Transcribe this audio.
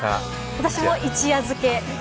私も一夜漬け。